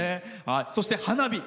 そして花火。